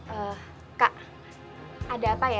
ee kak ada apa ya